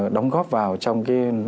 đóng góp vào trong cái